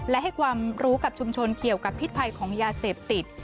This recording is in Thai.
และให้ความรู้กับชุมชนเกี่ยวกับพิษภัยของยาเสพติด